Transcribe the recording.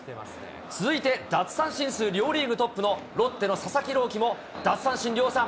続いて奪三振数両リーグトップのロッテの佐々木朗希も、奪三振量産。